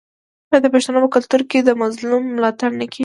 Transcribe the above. آیا د پښتنو په کلتور کې د مظلوم ملاتړ نه کیږي؟